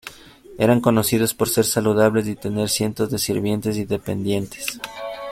Eran conocidos por ser saludables y tener cientos de sirvientes y dependientes.